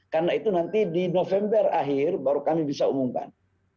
karena itu nanti di november akhir baru kami bisa umumkan